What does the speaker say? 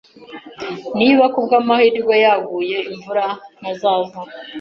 Niba kubwamahirwe yaguye imvura, ntazaza.